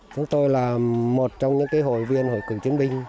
chúng tôi là một trong những hội viên hội cựu chiến binh